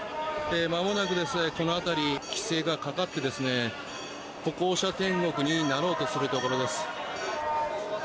まもなくこの辺り、規制がかかって歩行者天国になろうとするところです。